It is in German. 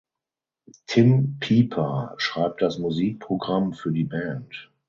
Timm Pieper schreibt das Musikprogramm für die Band.